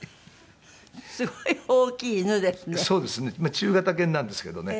中型犬なんですけどね。